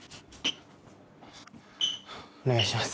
お願いします。